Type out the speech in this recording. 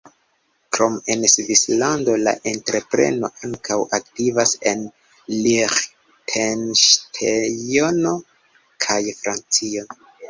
Krom en Svislando la entrepreno ankaŭ aktivas en Liĥtenŝtejno kaj Francio.